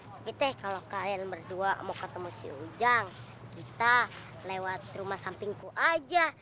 tapi teh kalau kalian berdua mau ketemu si ujang kita lewat rumah sampingku aja